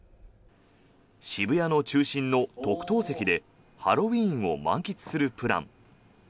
渋谷の中心の特等席でハロウィーンを満喫するプラン。